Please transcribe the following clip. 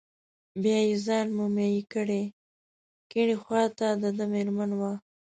بیا یې ځان مومیا کړی، کیڼې خواته دده مېرمن وه.